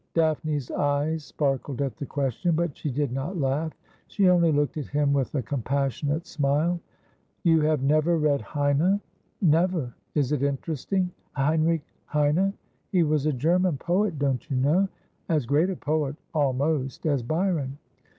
Daphne's eyes sparkled at the question, but she did not laugh. She only looked at him with a compassionate smile. ' You have never read Heine ?'' Never. Is it interesting ?'' Heinrich Heine ? He was a German poet, don't you know. As great a poet, almost, as Byron.'